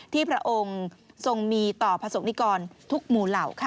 พระองค์ทรงมีต่อประสบนิกรทุกหมู่เหล่าค่ะ